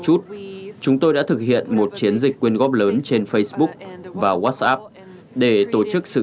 chút chúng tôi đã thực hiện một chiến dịch quyên góp lớn trên facebook và whatsapp để tổ chức sự